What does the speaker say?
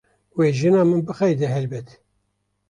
Wê jina min bixeyde helbet.